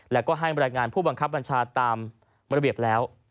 แล้วก็ให้บรรยายงานผู้บังคับบัญชาตามระเบียบแล้ว